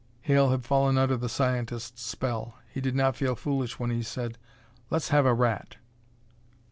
Hale had fallen under the scientist's spell. He did not feel foolish when he said: "Let's have a rat!"